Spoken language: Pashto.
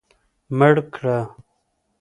مړ کړه.